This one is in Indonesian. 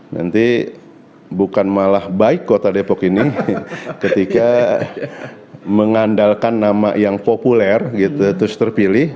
nanti bukan malah baik kota depok ini ketika mengandalkan nama yang populer gitu terus terpilih